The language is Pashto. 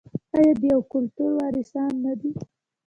آیا د یو کلتور وارثان نه دي؟